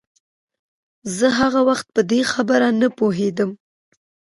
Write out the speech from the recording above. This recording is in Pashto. زه هغه وخت په دې خبره نه پوهېدم.